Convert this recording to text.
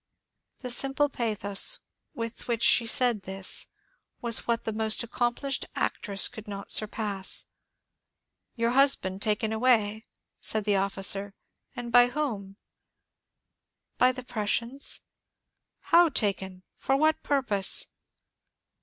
The simple pathos with which she said this was what the most accomplished actress could not surpass. ^* Your husband taken away ?" asked the officer ;^ and by whom?" By the Prussians." How taken ? For what purpose